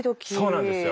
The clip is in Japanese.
そうなんですよ。